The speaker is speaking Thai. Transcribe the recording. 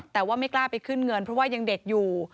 แต่ว่าไม่กล้าไปขึ้นเงินเพราะว่ายังเด็กอยู่